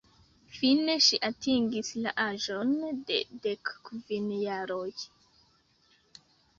Fine ŝi atingis la aĝon de dekkvin jaroj.